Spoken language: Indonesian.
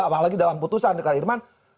apalagi dalam putusan dengan irman